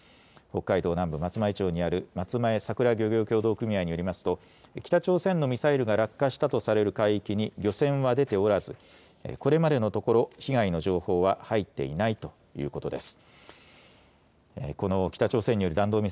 北海道南部の松前町にある松前さくら漁業協同組合によりますと北朝鮮のミサイルが落下したとされる海域に漁船は出ておらずこれまでのところ被害の情報は入っていないということです。